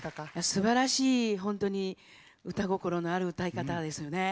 すばらしい本当に歌心のある歌い方ですよね